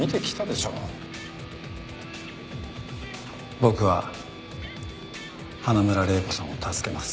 僕は花村玲子さんを助けます。